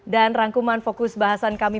dan rangkuman fokus bahasan kami